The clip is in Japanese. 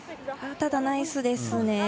ただナイスですね。